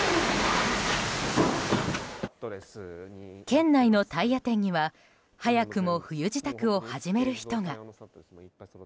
県内のタイヤ店には早くも冬支度を始める人が。